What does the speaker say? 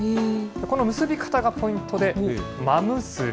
この結び方がポイントで、真結び。